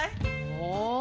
ああ。